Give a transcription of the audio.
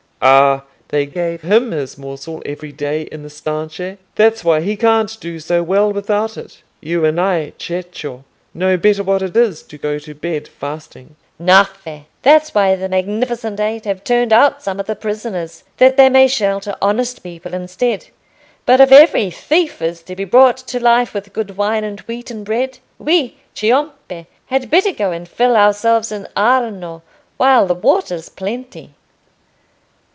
"Ah, they gave him his morsel every day in the Stinche—that's why he can't do so well without it. You and I, Cecco, know better what it is to go to bed fasting." "Gnaffè! that's why the Magnificent Eight have turned out some of the prisoners, that they may shelter honest people instead. But if every thief is to be brought to life with good wine and wheaten bread, we Ciompi had better go and fill ourselves in Arno while the water's plenty."